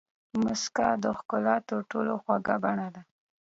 موسکا د ښکلا تر ټولو خوږه بڼه ده.